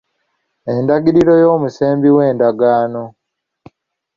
Endagiriro y'omusembi w'endagaano.